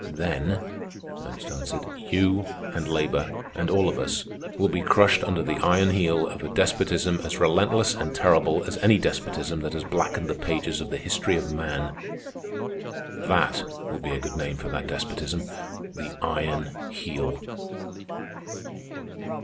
"Then," Ernest answered, "you, and labor, and all of us, will be crushed under the iron heel of a despotism as relentless and terrible as any despotism that has blackened the pages of the history of man. That will be a good name for that despotism, the Iron Heel."